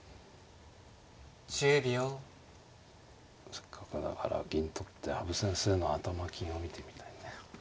せっかくだから銀取って羽生先生の頭金を見てみたいね。